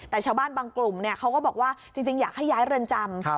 แต่ชาวบ้านบางกลุ่มเขาก็บอกว่าจริงอยากให้ย้ายเรือนจำ